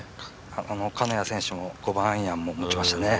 金谷選手も５番アイアンを持ちましたね。